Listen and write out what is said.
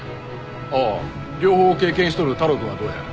あっ両方経験しとる太郎くんはどうや？